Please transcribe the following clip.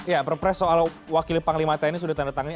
ya perpres soal wakil panglima tni sudah ditandatangani